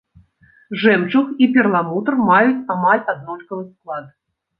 Жэмчуг і перламутр маюць амаль аднолькавы склад.